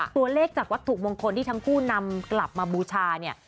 ตัวเลขจากวัตถุมงคลที่ทั้งคู่นำกลับมาบูชาเนี่ย